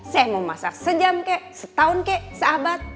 saya mau masak sejam kek setahun kek sahabat